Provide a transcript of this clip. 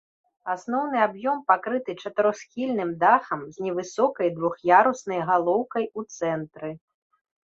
Асноўны аб'ём пакрыты чатырохсхільным дахам з невысокай двух'яруснай галоўкай у цэнтры.